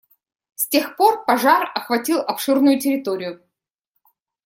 С тех пор пожар охватил обширную территорию.